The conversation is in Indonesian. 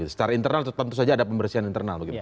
secara internal tentu saja ada pembersihan internal begitu